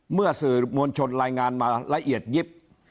เมื่อสื่อมวลชนรายงานมาละเอียดยิบ